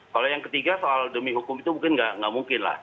kalau yang ketiga soal demi hukum itu mungkin nggak mungkin lah